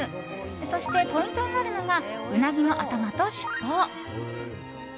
そしてポイントとなるのがうなぎの頭と尻尾。